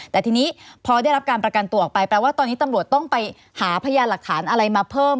แต่ทีนี้พอได้รับการประกันตัวออกไปแปลว่าตอนนี้ตำรวจต้องไปหาพยานหลักฐานอะไรมาเพิ่ม